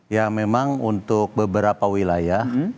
ya memang untuk beberapa wilayah